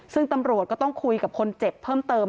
ซึ่งตำรวจก็ต้องคุยกับคนเจ็บเพิ่มเติม